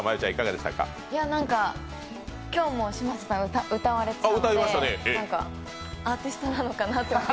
今日も嶋佐さん歌われていたんで、アーティストなのかなって。